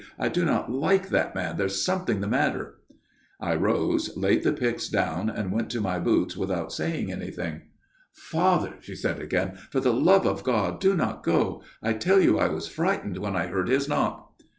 I do not like that man. There is something the matter/ " I rose ; laid the pyx down and went to my boots without saying anything. FATHER MARTIN'S TALE 181 "' Father,' she said again, ' for the love of God do not go I tell you I was frightened when I heard his knock.'